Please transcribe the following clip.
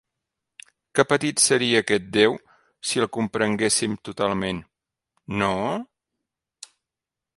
Que petit seria aquest Déu si el comprenguéssim totalment, no?